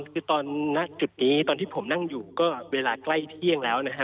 คือตอนณจุดนี้ตอนที่ผมนั่งอยู่ก็เวลาใกล้เที่ยงแล้วนะฮะ